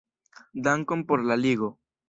Dankon por la ligo.